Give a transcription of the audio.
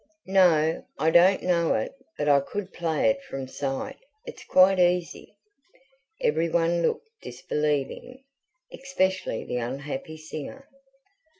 "No, I don't know it. But I could play it from sight. It's quite easy." Everyone looked disbelieving, especially the unhappy singer.